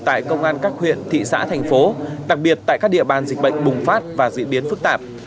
tại công an các huyện thị xã thành phố đặc biệt tại các địa bàn dịch bệnh bùng phát và diễn biến phức tạp